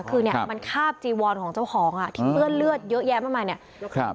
คือเนี่ยมันคาบจีวอนของเจ้าของอ่ะที่เปื้อนเลือดเยอะแยะประมาณเนี่ย